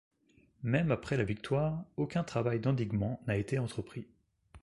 Même après la victoire, aucun travail d'endiguement n'a été entrepris.